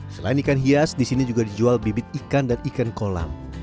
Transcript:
selain ikan hias di sini juga dijual bibit ikan dan ikan kolam